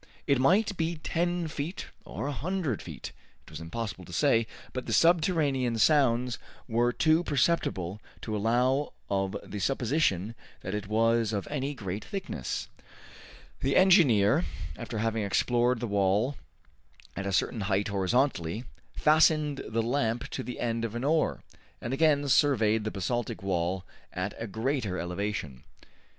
It might be ten feet or a hundred feet it was impossible to say. But the subterranean sounds were too perceptible to allow of the supposition that it was of any great thickness. The engineer, after having explored the wall at a certain height horizontally, fastened the lamp to the end of an oar, and again surveyed the basaltic wall at a greater elevation.